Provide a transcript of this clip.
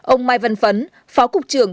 ông mai văn phấn phó cục trưởng